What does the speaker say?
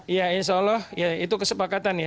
ya insya allah ya itu kesepakatan ya